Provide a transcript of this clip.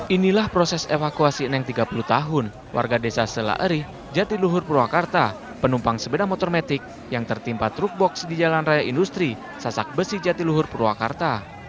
inilah proses evakuasi neng tiga puluh tahun warga desa selaerih jatiluhur purwakarta penumpang sepeda motor metik yang tertimpa truk box di jalan raya industri sasak besi jatiluhur purwakarta